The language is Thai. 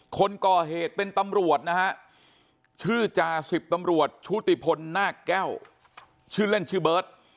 คนก่อเหตุเป็นตำรวจนะฮะชื่อจ่าสิบตำรวจชุติพลนาคแก้วชื่อเล่นชื่อเบิร์ต